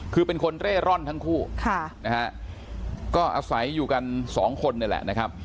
คือเป็นคนเร่ร่อนทั้งคู่ค่ะนะฮะก็อาศัยอยู่กันสองคนนี่แหละนะครับ